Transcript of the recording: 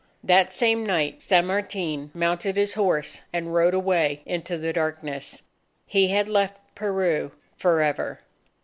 _" That same night, San Martin mounted his horse and rode away into the darkness. He had left Peru forever.